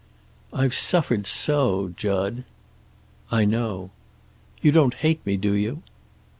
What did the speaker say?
"I've suffered so, Jud." "I know." "You don't hate me, do you?"